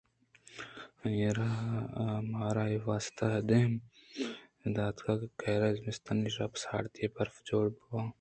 آئی ءَمارا اے واستہ اِد ا دیم داتگ کہ قہریں زمستانی شپ ءِ سارتی ءَ برف جوڑ بہ باں